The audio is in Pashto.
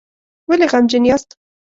ولې غمجن یاست؟